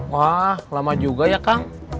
wah lama juga ya kang